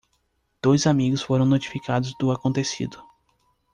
Dois amigos foram notificados do acontecido.